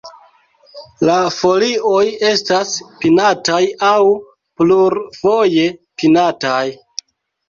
La folioj estas pinataj aŭ plurfoje pinataj.